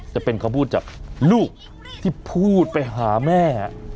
จะเป็นคำพูดจากลูกที่พูดไปหาแม่